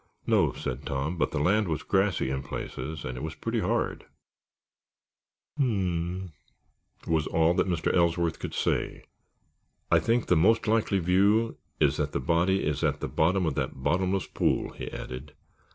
"No," said Tom, "but the land was grassy in places and it was pretty hard." "Hmmm?" was all that Mr. Ellsworth could say. "I think the most likely view is that the body is at the bottom of that bottomless pool," he added.